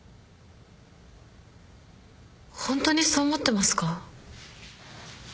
ホントにそう思ってますか？